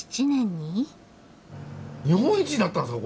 日本一になったんですか！